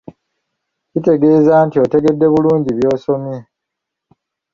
Kitegeeza nti otegedde bulungi by’osomye.